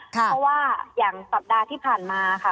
เพราะว่าอย่างสัปดาห์ที่ผ่านมาค่ะ